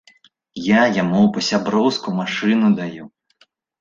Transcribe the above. Я яму па-сяброўску машыну даю.